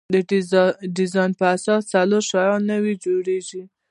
د ډیزاین په اساس څلور شیان نوي جوړیږي.